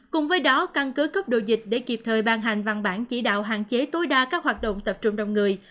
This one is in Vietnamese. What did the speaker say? cùng với đó căn cứ cấp đồ dịch để kịp thời ban hành văn bản chỉ đạo hạn chế tối đa các hoạt động tập trung đông người